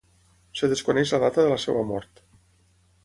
Es desconeix la data de la seva mort.